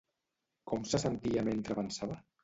Com se sentia mentre avançava?